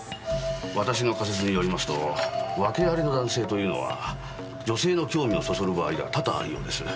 私の仮説によりますとワケありの男性というのは女性の興味をそそる場合が多々あるようです。